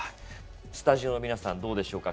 スタジオの皆さんどうでしょうか。